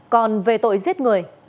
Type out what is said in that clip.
còn về tội giết người